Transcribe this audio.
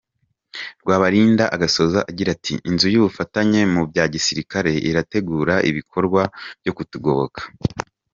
Rwabalinda agasoza agira ati : “Inziu y’ubufatanye mu bya gisirikare irategura ibikorwa byo kutugoboka”.